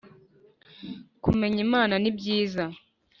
kumenya Imana, nibyiza